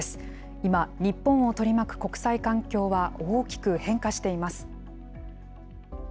今、日本を取り巻く国際環境は大きく変化しています。